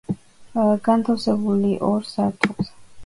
განთავსებული ორ სართულზე.